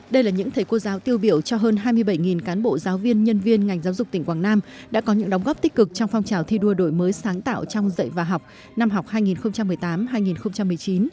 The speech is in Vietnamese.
đây là những thầy cô giáo tiêu biểu cho hơn hai mươi bảy cán bộ giáo viên nhân viên ngành giáo dục tỉnh quảng nam đã có những đóng góp tích cực trong phong trào thi đua đổi mới sáng tạo trong dạy và học năm học hai nghìn một mươi tám hai nghìn một mươi chín